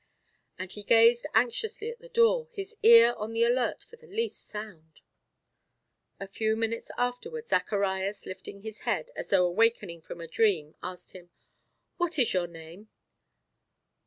And he gazed anxiously at the door, his ear on the alert for the least sound. A few moments afterward, Zacharias lifting his head, as though awakening from a dream, asked him: "What is your name?"